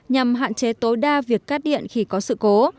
nhằm hạn chế tối đa việc cắt điện khi có sự cố